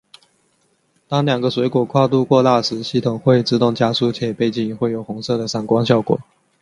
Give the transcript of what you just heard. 当两个水果跨度过大时系统会自动加速且背景会有红色的闪光效果。